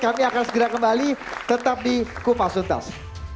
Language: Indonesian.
kami akan segera kembali tetap di kupasuntas